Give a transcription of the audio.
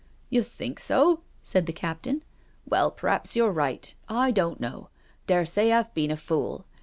"You think so ?" said the Captain. "Well, perhaps, you're right ; I don't know. Daresay I've been a fool.